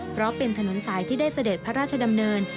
เพราะเป็นถนนสายที่ได้เสด็จพระราชดำเนิน